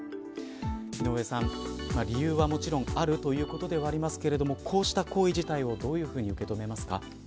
井上さん、理由はもちろんあるということではありますがこうした行為自体をどういうふうに受け止めますか。